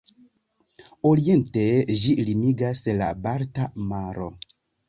Oriente ĝin limigas la Balta Maro.